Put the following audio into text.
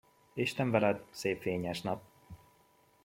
Isten veled, szép fényes nap!